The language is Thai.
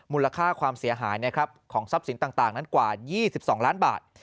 มูลค่าความเสียหายนะครับของทรัพย์สินต่างนั้นกว่า๒๒ล้านบาท